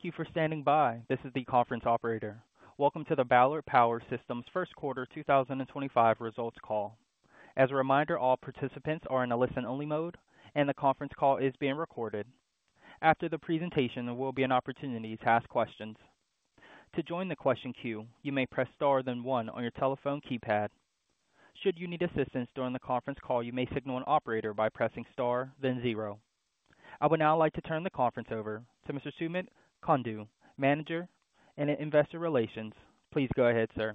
Thank you for standing by. This is the conference operator. Welcome to the Ballard Power Systems first quarter 2025 results call. As a reminder, all participants are in a listen-only mode, and the conference call is being recorded. After the presentation, there will be an opportunity to ask questions. To join the question queue, you may press star then one on your telephone keypad. Should you need assistance during the conference call, you may signal an operator by pressing star then zero. I would now like to turn the conference over to Mr. Sumit Kundu, Manager of Investor Relations. Please go ahead, sir.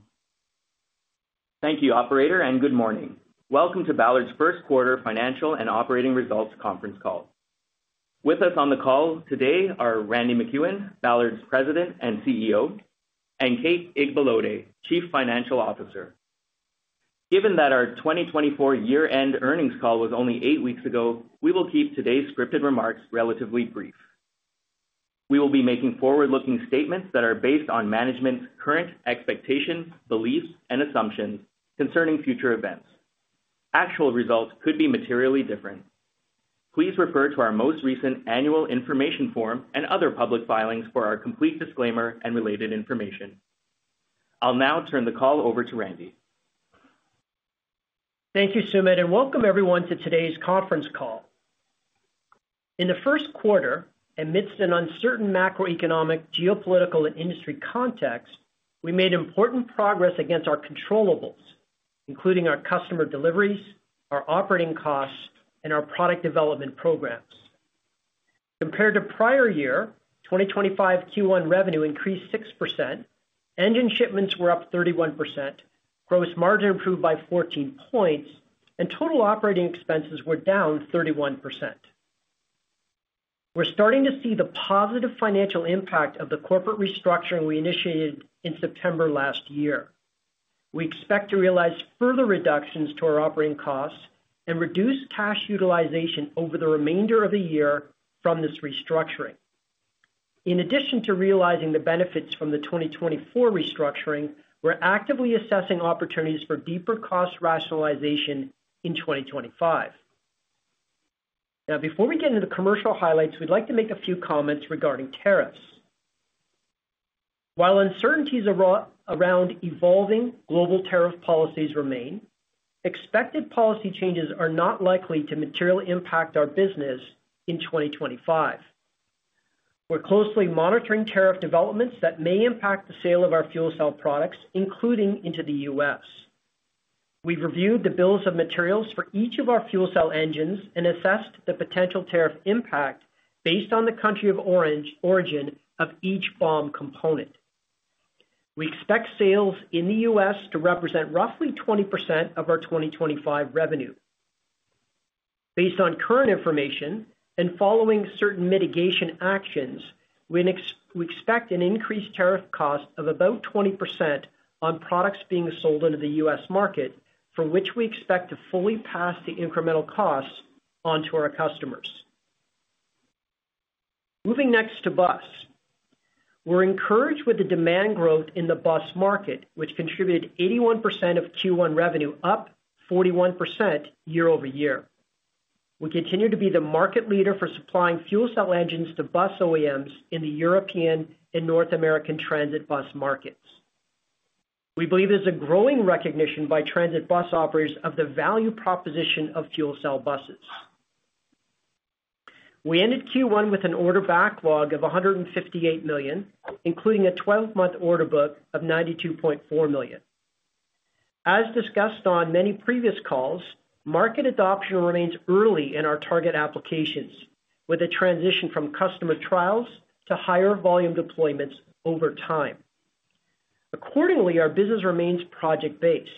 Thank you, Operator, and good morning. Welcome to Ballard's first quarter financial and operating results conference call. With us on the call today are Randy MacEwen, Ballard's President and CEO, and Kate Igbalode, Chief Financial Officer. Given that our 2024 year-end earnings call was only eight weeks ago, we will keep today's scripted remarks relatively brief. We will be making forward-looking statements that are based on management's current expectations, beliefs, and assumptions concerning future events. Actual results could be materially different. Please refer to our most recent annual information form and other public filings for our complete disclaimer and related information. I'll now turn the call over to Randy. Thank you, Sumit, and welcome everyone to today's conference call. In the first quarter, amidst an uncertain macroeconomic, geopolitical, and industry context, we made important progress against our controllables, including our customer deliveries, our operating costs, and our product development programs. Compared to prior year, 2025 Q1 revenue increased 6%, engine shipments were up 31%, gross margin improved by 14 points, and total operating expenses were down 31%. We're starting to see the positive financial impact of the corporate restructuring we initiated in September last year. We expect to realize further reductions to our operating costs and reduce cash utilization over the remainder of the year from this restructuring. In addition to realizing the benefits from the 2024 restructuring, we're actively assessing opportunities for deeper cost rationalization in 2025. Now, before we get into the commercial highlights, we'd like to make a few comments regarding tariffs. While uncertainties around evolving global tariff policies remain, expected policy changes are not likely to materially impact our business in 2025. We're closely monitoring tariff developments that may impact the sale of our fuel cell products, including into the U.S. We've reviewed the bills of materials for each of our fuel cell engines and assessed the potential tariff impact based on the country of origin of each BOM component. We expect sales in the U.S. to represent roughly 20% of our 2025 revenue. Based on current information and following certain mitigation actions, we expect an increased tariff cost of about 20% on products being sold into the U.S. market, for which we expect to fully pass the incremental costs onto our customers. Moving next to bus. We're encouraged with the demand growth in the bus market, which contributed 81% of Q1 revenue, up 41% year-over-year. We continue to be the market leader for supplying fuel cell engines to bus OEMs in the European and North American transit bus markets. We believe there's a growing recognition by transit bus operators of the value proposition of fuel cell buses. We ended Q1 with an order backlog of $158 million, including a 12-month order book of $92.4 million. As discussed on many previous calls, market adoption remains early in our target applications, with a transition from customer trials to higher volume deployments over time. Accordingly, our business remains project-based.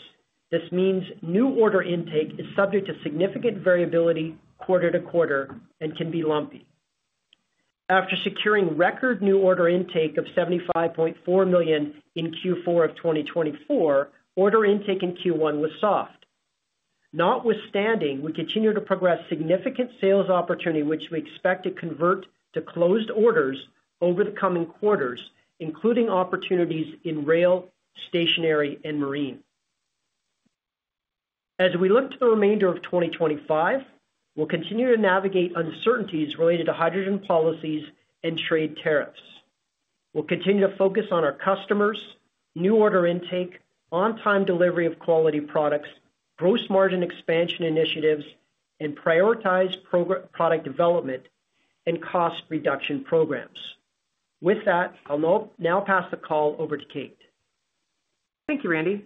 This means new order intake is subject to significant variability quarter to quarter and can be lumpy. After securing record new order intake of $75.4 million in Q4 of 2024, order intake in Q1 was soft. Notwithstanding, we continue to progress significant sales opportunity, which we expect to convert to closed orders over the coming quarters, including opportunities in rail, stationary, and marine. As we look to the remainder of 2025, we'll continue to navigate uncertainties related to hydrogen policies and trade tariffs. We'll continue to focus on our customers, new order intake, on-time delivery of quality products, gross margin expansion initiatives, and prioritized product development and cost reduction programs. With that, I'll now pass the call over to Kate. Thank you, Randy.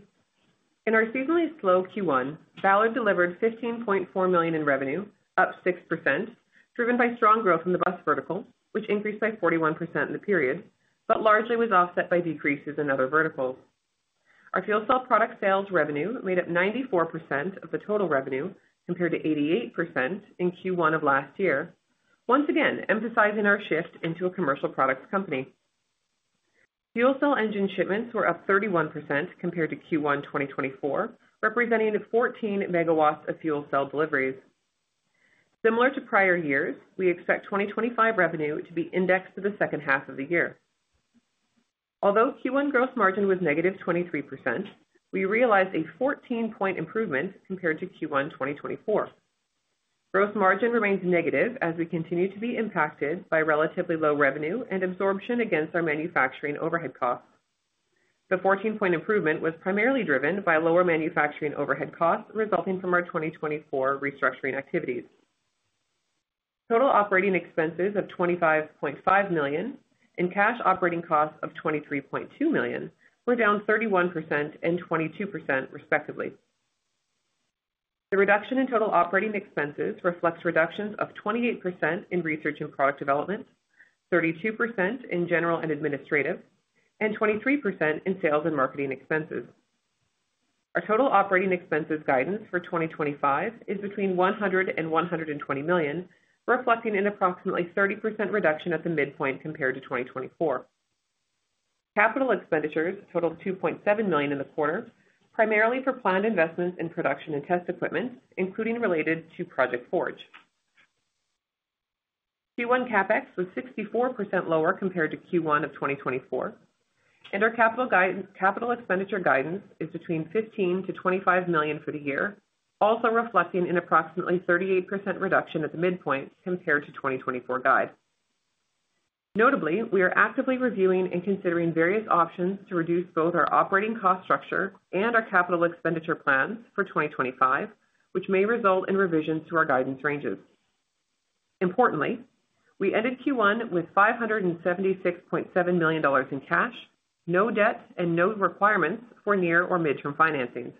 In our seasonally slow Q1, Ballard delivered $15.4 million in revenue, up 6%, driven by strong growth in the bus vertical, which increased by 41% in the period, but largely was offset by decreases in other verticals. Our fuel cell product sales revenue made up 94% of the total revenue, compared to 88% in Q1 of last year, once again emphasizing our shift into a commercial products company. Fuel cell engine shipments were up 31% compared to Q1 2024, representing 14 MW of fuel cell deliveries. Similar to prior years, we expect 2025 revenue to be indexed to the second half of the year. Although Q1 gross margin was negative 23%, we realized a 14-point improvement compared to Q1 2024. Gross margin remains negative as we continue to be impacted by relatively low revenue and absorption against our manufacturing overhead costs. The 14-point improvement was primarily driven by lower manufacturing overhead costs resulting from our 2024 restructuring activities. Total operating expenses of $25.5 million and cash operating costs of $23.2 million were down 31% and 22%, respectively. The reduction in total operating expenses reflects reductions of 28% in research and product development, 32% in general and administrative, and 23% in sales and marketing expenses. Our total operating expenses guidance for 2025 is between $100 million and $120 million, reflecting an approximately 30% reduction at the midpoint compared to 2024. Capital expenditures totaled $2.7 million in the quarter, primarily for planned investments in production and test equipment, including related to Project Forge. Q1 CapEx was 64% lower compared to Q1 of 2024, and our capital expenditure guidance is between $15 million-$25 million for the year, also reflecting an approximately 38% reduction at the midpoint compared to the 2024 guide. Notably, we are actively reviewing and considering various options to reduce both our operating cost structure and our capital expenditure plans for 2025, which may result in revisions to our guidance ranges. Importantly, we ended Q1 with $576.7 million in cash, no debt, and no requirements for near or midterm financing.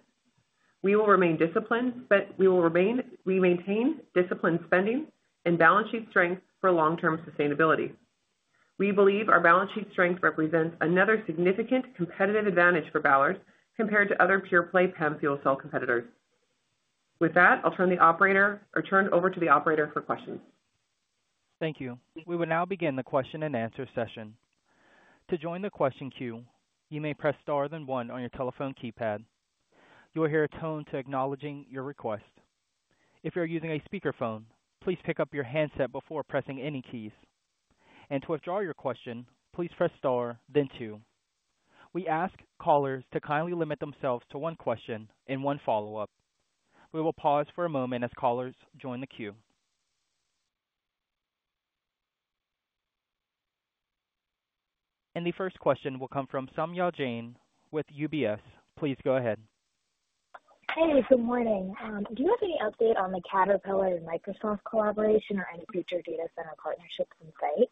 We will remain disciplined, but we will maintain disciplined spending and balance sheet strength for long-term sustainability. We believe our balance sheet strength represents another significant competitive advantage for Ballard compared to other pure-play PEM fuel cell competitors. With that, I'll turn it over to the operator for questions. Thank you. We will now begin the question-and-answer session. To join the question queue, you may press star then one on your telephone keypad. You will hear a tone acknowledging your request. If you're using a speakerphone, please pick up your handset before pressing any keys. To withdraw your question, please press star then two. We ask callers to kindly limit themselves to one question and one follow-up. We will pause for a moment as callers join the queue. The first question will come from Saumya Jain with UBS. Please go ahead. Hey, good morning. Do you have any update on the Caterpillar and Microsoft collaboration or any future data center partnerships in sight?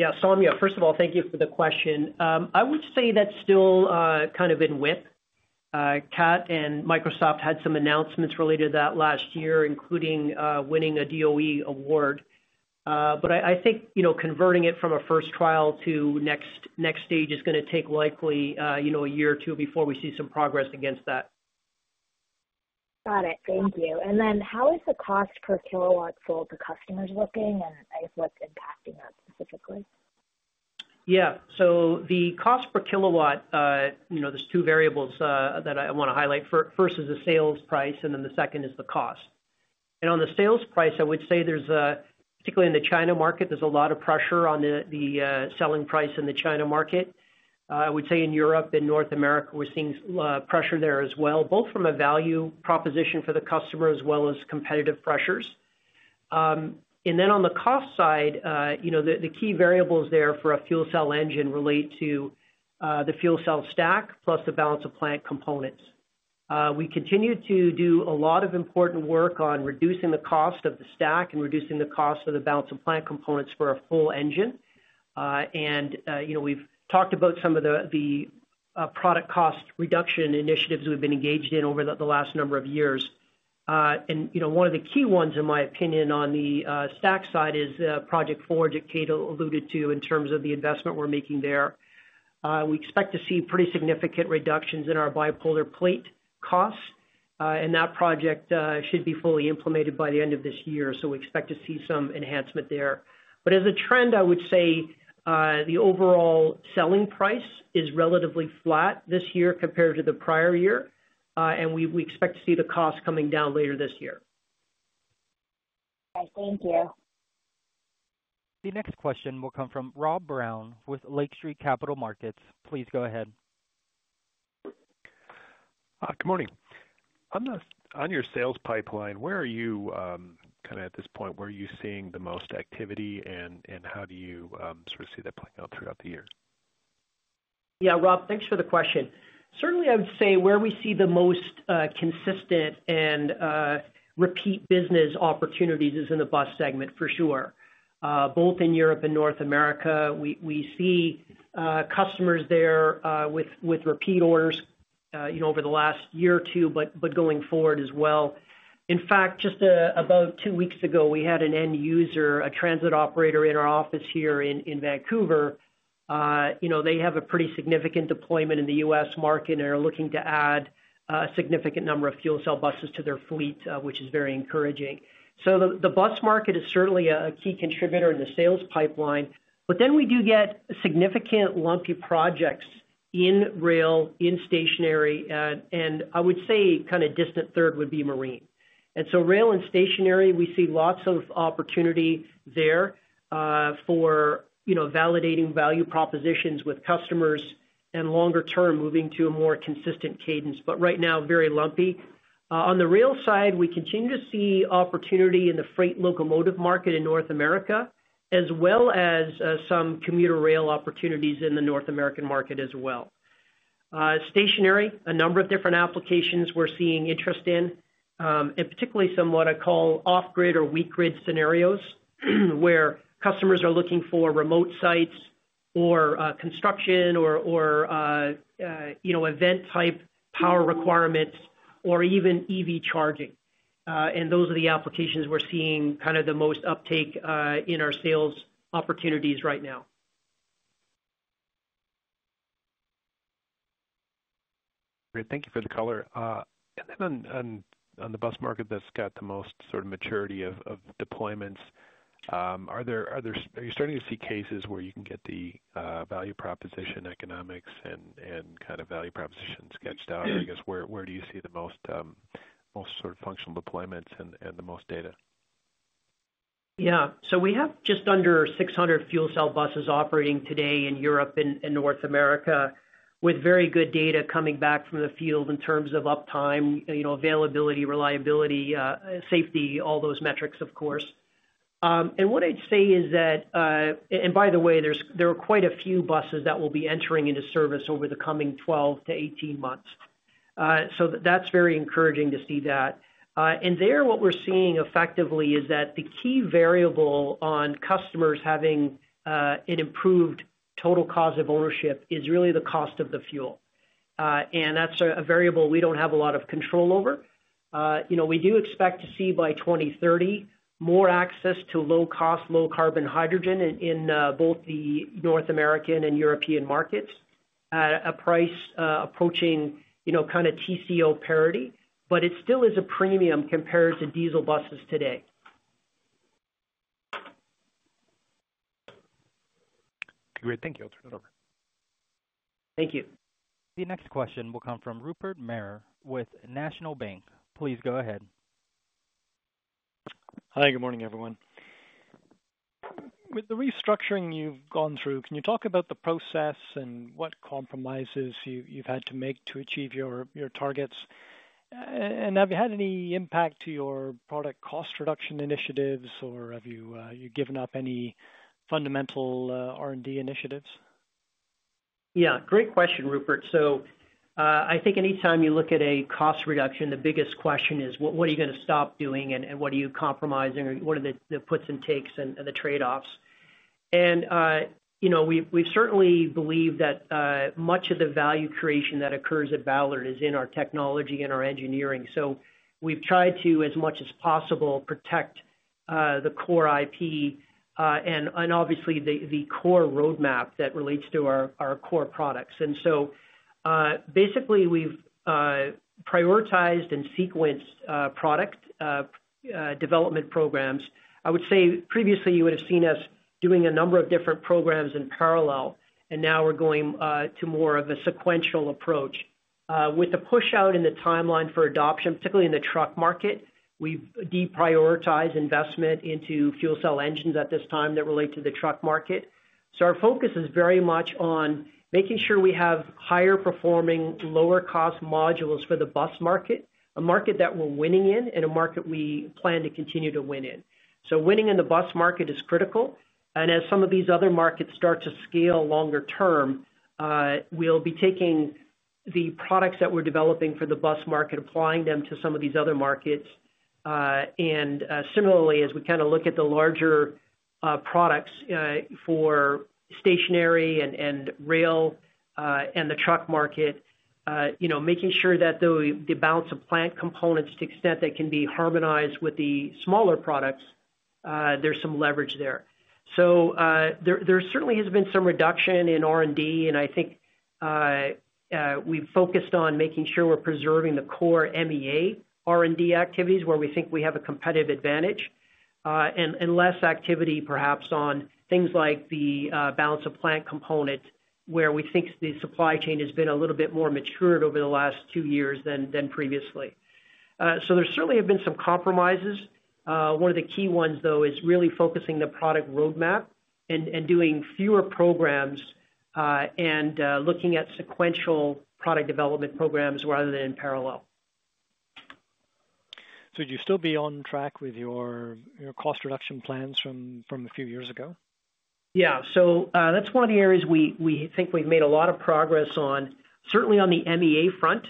Yeah, Saumya, first of all, thank you for the question. I would say that's still kind of in WIP. Cat and Microsoft had some announcements related to that last year, including winning a DOE award. I think converting it from a first trial to next stage is going to take likely a year or two before we see some progress against that. Got it. Thank you. How is the cost per kilowatt sold to customers looking, and I guess what's impacting that specifically? Yeah. The cost per kilowatt, there's two variables that I want to highlight. First is the sales price, and then the second is the cost. On the sales price, I would say there's, particularly in the China market, a lot of pressure on the selling price in the China market. I would say in Europe and North America, we're seeing pressure there as well, both from a value proposition for the customer as well as competitive pressures. On the cost side, the key variables there for a fuel cell engine relate to the fuel cell stack plus the balance of plant components. We continue to do a lot of important work on reducing the cost of the stack and reducing the cost of the balance of plant components for a full engine. We have talked about some of the product cost reduction initiatives we have been engaged in over the last number of years. One of the key ones, in my opinion, on the stack side is Project Forge, as Kate alluded to, in terms of the investment we are making there. We expect to see pretty significant reductions in our bipolar plate costs, and that project should be fully implemented by the end of this year. We expect to see some enhancement there. As a trend, I would say the overall selling price is relatively flat this year compared to the prior year, and we expect to see the cost coming down later this year. Okay. Thank you. The next question will come from Rob Brown with Lake Street Capital Markets. Please go ahead. Good morning. On your sales pipeline, where are you kind of at this point? Where are you seeing the most activity, and how do you sort of see that playing out throughout the year? Yeah, Rob, thanks for the question. Certainly, I would say where we see the most consistent and repeat business opportunities is in the bus segment, for sure. Both in Europe and North America, we see customers there with repeat orders over the last year or two, but going forward as well. In fact, just about two weeks ago, we had an end user, a transit operator in our office here in Vancouver. They have a pretty significant deployment in the U.S. market and are looking to add a significant number of fuel cell buses to their fleet, which is very encouraging. The bus market is certainly a key contributor in the sales pipeline. We do get significant lumpy projects in rail, in stationary, and I would say kind of distant third would be marine. Rail and stationery, we see lots of opportunity there for validating value propositions with customers and longer-term moving to a more consistent cadence, but right now very lumpy. On the rail side, we continue to see opportunity in the freight locomotive market in North America, as well as some commuter rail opportunities in the North American market as well. Stationery, a number of different applications we're seeing interest in, and particularly some what I call off-grid or weak-grid scenarios, where customers are looking for remote sites or construction or event-type power requirements or even EV charging. Those are the applications we're seeing kind of the most uptake in our sales opportunities right now. Great. Thank you for the color. On the bus market that's got the most sort of maturity of deployments, are you starting to see cases where you can get the value proposition economics and kind of value proposition sketched out? I guess where do you see the most sort of functional deployments and the most data? Yeah. We have just under 600 fuel cell buses operating today in Europe and North America, with very good data coming back from the field in terms of uptime, availability, reliability, safety, all those metrics, of course. What I'd say is that, and by the way, there are quite a few buses that will be entering into service over the coming 12-18 months. That is very encouraging to see. There what we're seeing effectively is that the key variable on customers having an improved total cost of ownership is really the cost of the fuel. That is a variable we do not have a lot of control over. We do expect to see by 2030 more access to low-cost, low-carbon hydrogen in both the North American and European markets at a price approaching kind of TCO parity, but it still is a premium compared to diesel buses today. Great. Thank you. I'll turn it over. Thank you. The next question will come from Rupert Merer with National Bank. Please go ahead. Hi, good morning, everyone. With the restructuring you have gone through, can you talk about the process and what compromises you have had to make to achieve your targets? Have you had any impact to your product cost reduction initiatives, or have you given up any fundamental R&D initiatives? Yeah. Great question, Rupert. I think anytime you look at a cost reduction, the biggest question is, what are you going to stop doing, and what are you compromising, or what are the puts and takes and the trade-offs? We certainly believe that much of the value creation that occurs at Ballard is in our technology and our engineering. We have tried to, as much as possible, protect the core IP and obviously the core roadmap that relates to our core products. Basically, we have prioritized and sequenced product development programs. I would say previously you would have seen us doing a number of different programs in parallel, and now we are going to more of a sequential approach. With the push out in the timeline for adoption, particularly in the truck market, we've deprioritized investment into fuel cell engines at this time that relate to the truck market. Our focus is very much on making sure we have higher-performing, lower-cost modules for the bus market, a market that we're winning in, and a market we plan to continue to win in. Winning in the bus market is critical. As some of these other markets start to scale longer term, we'll be taking the products that we're developing for the bus market, applying them to some of these other markets. Similarly, as we kind of look at the larger products for stationery and rail and the truck market, making sure that the balance of plant components to the extent that can be harmonized with the smaller products, there's some leverage there. There certainly has been some reduction in R&D, and I think we've focused on making sure we're preserving the core MEA R&D activities where we think we have a competitive advantage, and less activity perhaps on things like the balance of plant components where we think the supply chain has been a little bit more matured over the last two years than previously. There certainly have been some compromises. One of the key ones, though, is really focusing the product roadmap and doing fewer programs and looking at sequential product development programs rather than in parallel. Would you still be on track with your cost reduction plans from a few years ago? Yeah. So that's one of the areas we think we've made a lot of progress on. Certainly on the MEA front,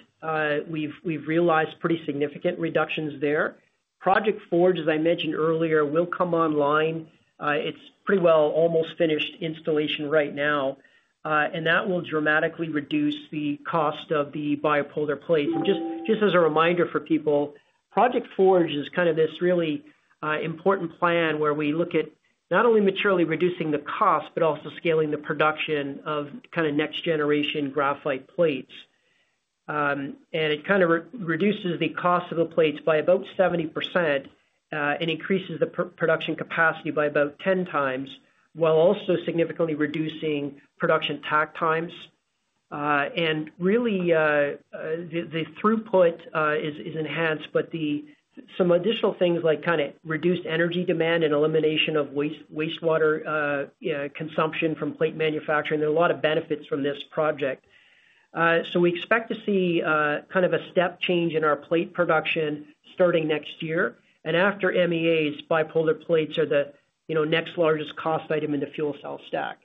we've realized pretty significant reductions there. Project Forge, as I mentioned earlier, will come online. It's pretty well almost finished installation right now, and that will dramatically reduce the cost of the bipolar plates. Just as a reminder for people, Project Forge is kind of this really important plan where we look at not only materially reducing the cost, but also scaling the production of kind of next-generation graphite plates. It kind of reduces the cost of the plates by about 70% and increases the production capacity by about 10x, while also significantly reducing production tack times. Really, the throughput is enhanced, but some additional things like kind of reduced energy demand and elimination of wastewater consumption from plate manufacturing. There are a lot of benefits from this project. We expect to see kind of a step change in our plate production starting next year. After MEAs, bipolar plates are the next largest cost item in the fuel cell stack.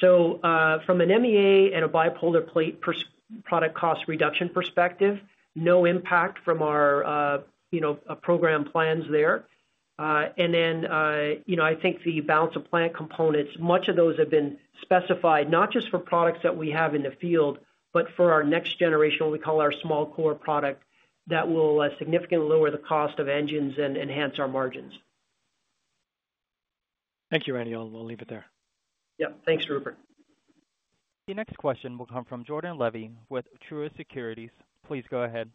From an MEA and a bipolar plate product cost reduction perspective, no impact from our program plans there. I think the balance of plant components, much of those have been specified not just for products that we have in the field, but for our next generation, what we call our small core product that will significantly lower the cost of engines and enhance our margins. Thank you, Randy. I'll leave it there. Yep. Thanks, Rupert. The next question will come from Jordan Levy with Truist Securities. Please go ahead.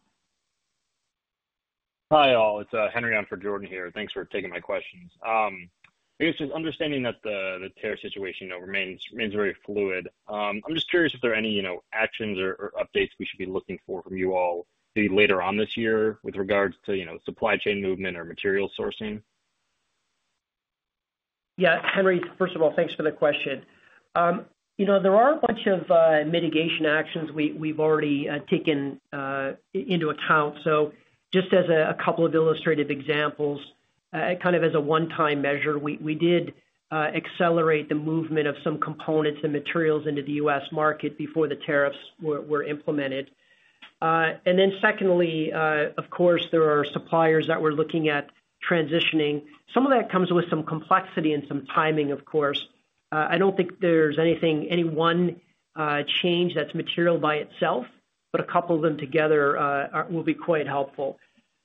Hi all. It's Henry on for Jordan here. Thanks for taking my questions. I guess just understanding that the TER situation remains very fluid. I'm just curious if there are any actions or updates we should be looking for from you all later on this year with regards to supply chain movement or material sourcing. Yeah. Henry, first of all, thanks for the question. There are a bunch of mitigation actions we've already taken into account. Just as a couple of illustrative examples, kind of as a one-time measure, we did accelerate the movement of some components and materials into the U.S. market before the tariffs were implemented. Secondly, of course, there are suppliers that we're looking at transitioning. Some of that comes with some complexity and some timing, of course. I do not think there's any one change that's material by itself, but a couple of them together will be quite helpful.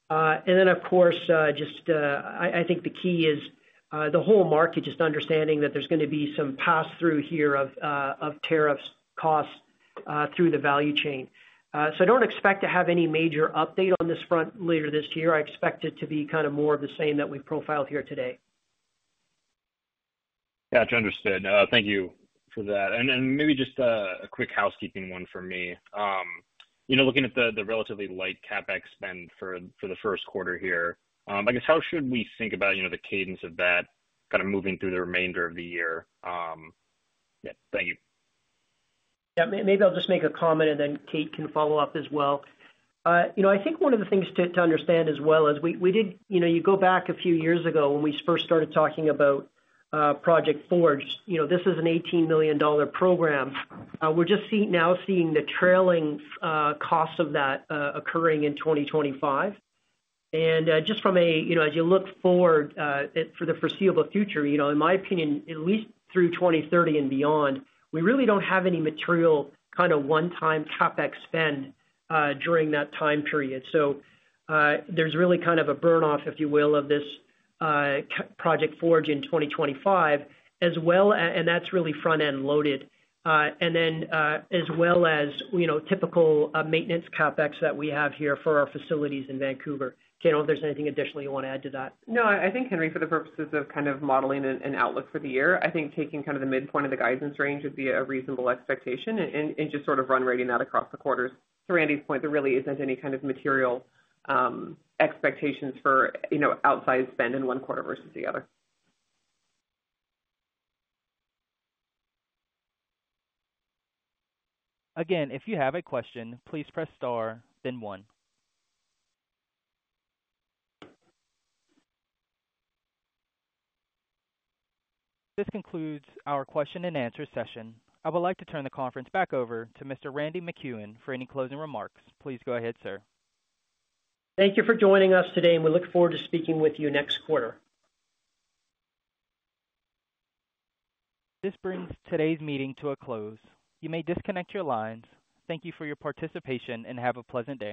Of course, I think the key is the whole market just understanding that there's going to be some pass-through here of tariffs, costs through the value chain. I do not expect to have any major update on this front later this year. I expect it to be kind of more of the same that we've profiled here today. Gotcha. Understood. Thank you for that. Maybe just a quick housekeeping one for me. Looking at the relatively light CapEx spend for the first quarter here, I guess how should we think about the cadence of that kind of moving through the remainder of the year? Yeah. Thank you. Yeah. Maybe I'll just make a comment, and then Kate can follow up as well. I think one of the things to understand as well is we did go back a few years ago when we first started talking about Project Forge. This is an $18 million program. We're just now seeing the trailing cost of that occurring in 2025. And just from a as you look forward for the foreseeable future, in my opinion, at least through 2030 and beyond, we really don't have any material kind of one-time CapEx spend during that time period. So there's really kind of a burn-off, if you will, of this Project Forge in 2025, and that's really front-end loaded. And then as well as typical maintenance CapEx that we have here for our facilities in Vancouver. Kate, I don't know if there's anything additional you want to add to that. No, I think, Henry, for the purposes of kind of modeling an outlook for the year, I think taking kind of the midpoint of the guidance range would be a reasonable expectation and just sort of run rating that across the quarters. To Randy's point, there really isn't any kind of material expectations for outside spend in one quarter versus the other. Again, if you have a question, please press star, then one. This concludes our question-and-answer session. I would like to turn the conference back over to Mr. Randy MacEwen for any closing remarks. Please go ahead, sir. Thank you for joining us today, and we look forward to speaking with you next quarter. This brings today's meeting to a close. You may disconnect your lines. Thank you for your participation and have a pleasant day.